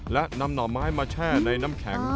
และนำหน่อไม้มาแช่ในน้ำแข็ง